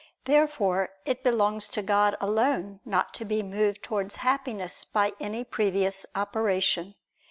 Therefore it belongs to God alone not to be moved towards Happiness by any previous operation.